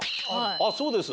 ああそうです？